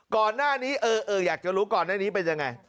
ก่อนหน้านี้อยากจะรู้ก่อนหน้านี้เป็นยังไง